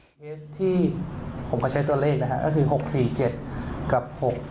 เทสที่ผมก็ใช้ตัวเลขคือ๖๔๗กับ๖๕๘